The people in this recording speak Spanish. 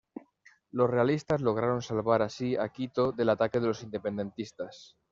Los realistas lograron salvar así a Quito del ataque de los independentistas.